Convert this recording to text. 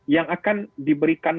yang akan diberikan